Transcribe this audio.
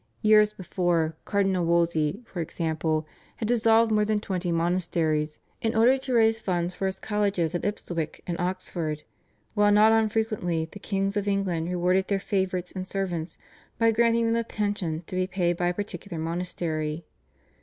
Years before, Cardinal Wolsey, for example, had dissolved more than twenty monasteries in order to raise funds for his colleges at Ipswich and Oxford, while not unfrequently the kings of England rewarded their favourites and servants by granting them a pension to be paid by a particular monastery.